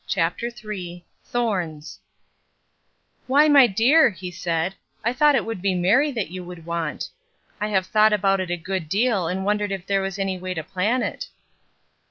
CHAPTER III THORNS WHY, my dear," he said, "I thought it would be Mary that you would want. I have thought about it a good deal and won dered if there was any way to plan it."